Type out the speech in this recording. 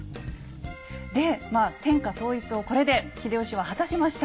でまあ天下統一をこれで秀吉は果たしました。